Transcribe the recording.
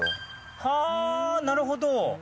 はー、なるほど。